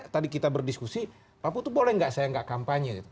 tadi kita berdiskusi papu itu boleh nggak saya ngak kampanye